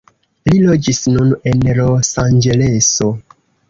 Li loĝis nun en Losanĝeleso.